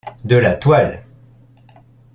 De la toile !